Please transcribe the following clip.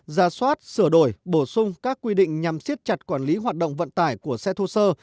ra soát sửa đổi bổ sung các quy định nhằm siết chặt quản lý hoạt động vận tải của xe thô sơ